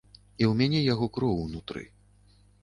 І ў мяне яго кроў унутры.